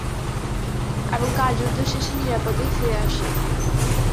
এবং কার্যোদ্ধার শেষে নিরাপদেই ফিরে আসে।